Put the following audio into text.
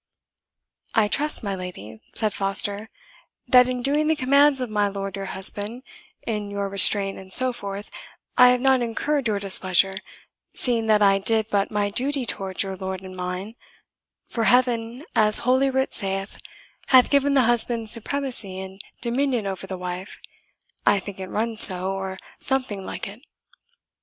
"I trust, my lady," said Foster, "that in doing the commands of my lord your husband, in your restraint and so forth, I have not incurred your displeasure, seeing that I did but my duty towards your lord and mine; for Heaven, as holy writ saith, hath given the husband supremacy and dominion over the wife I think it runs so, or something like it."